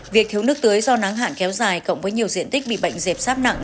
việc thiếu nước tưới do nắng hạn kéo dài cộng với nhiều diện tích bị bệnh dẹp sáp nặng